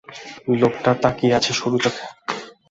লোকটি তাকিয়ে আছে সরু চোখে।